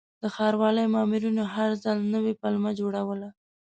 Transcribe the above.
د ښاروالۍ مامورینو هر ځل نوې پلمه جوړوله.